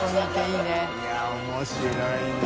いや面白いね。